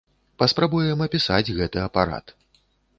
Паспрабуем апісаць гэты апарат.